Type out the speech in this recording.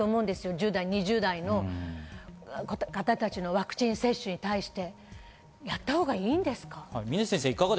１０代、２０代のワクチン接種に対して、やったほうがいいんですか？